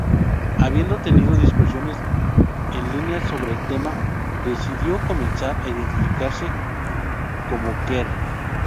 Habiendo tenido discusiones en línea sobre el tema, decidió comenzar a identificarse como queer.